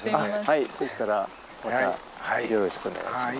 はいそしたらまたよろしくお願いします。